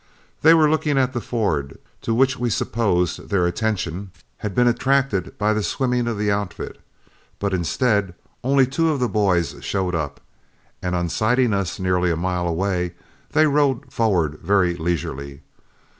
They were looking at the ford, to which we supposed their attention had been attracted by the swimming of the outfit, but instead only two of the boys showed up, and on sighting us nearly a mile away, they rode forward very leisurely.